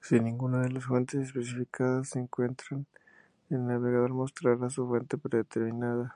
Si ninguna de las fuentes especificadas se encuentran, el navegador mostrará su fuente predeterminada.